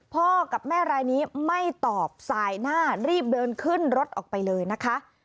พ่อกับแม่รายนี้ไม่ตอบสายหน้ารีบเดินขึ้นรถออกไปเลยนะคะ